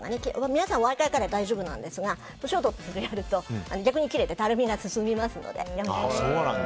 皆さんお若いから大丈夫なんですが年を取ってそれをやると逆にたるみが進みますので。